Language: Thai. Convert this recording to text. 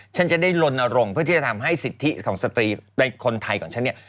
ฉันจะได้ลนรงค์เพื่อที่จะทำให้สิทธิของสตรีในคนไทยของฉันเนี่ย